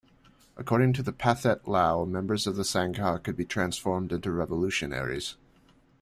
According to the Pathet Lao, members of the Sangha could be transformed into revolutionaries.